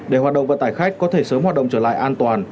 để hoạt động vận tải khách có thể sớm hoạt động trở lại an toàn